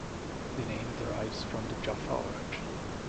The name derives from the Jaffa orange.